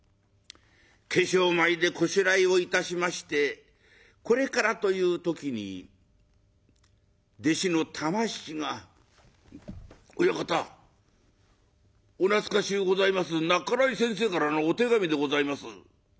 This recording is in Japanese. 化粧前でこしらえをいたしましてこれからという時に弟子の玉七が「親方お懐かしゅうございます半井先生からのお手紙でございます」。